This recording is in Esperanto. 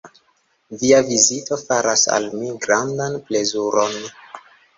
Via vizito faras al mi grandan plezuron.